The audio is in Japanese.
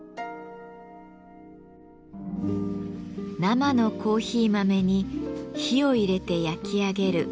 生のコーヒー豆に火を入れて焼き上げる「焙煎」。